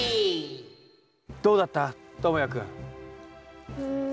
どうだった？ともやくん。